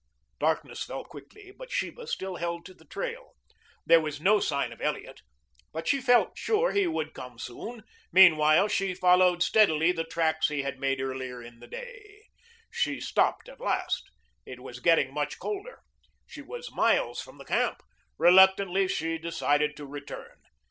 Darkness fell quickly, but Sheba still held to the trail. There was no sign of Elliot, but she felt sure he would come soon. Meanwhile she followed steadily the tracks he had made earlier in the day. She stopped at last. It was getting much colder. She was miles from the camp. Reluctantly she decided to return.